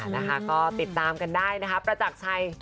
จัดมาครับ